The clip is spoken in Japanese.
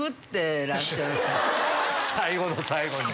最後の最後に。